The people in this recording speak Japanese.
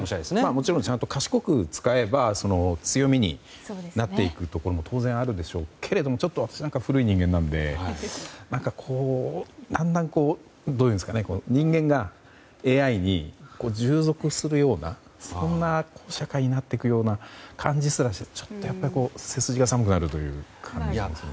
もちろん、ちゃんと賢く使えば強みになっていくところも当然あるでしょうけれどもちょっと私なんかは古い人間なのでだんだん人間がＡＩに従属するようなそんな社会になっていくような感じすらしてちょっと、背筋が寒くなるという感じです。